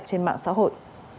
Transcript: trên mạng xã hội